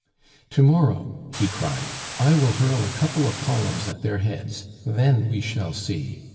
"To morrow," he cried, "I will hurl a couple of columns at their heads. Then, we shall see.